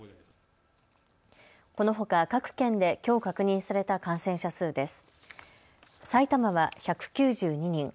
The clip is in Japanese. このほか各県できょう確認された感染者数です。